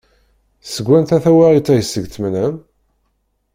Seg wanta tawaɣit-a iseg d-tmenɛem?